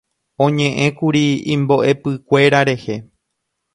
oñe'ẽkuri imbo'epykuéra rehe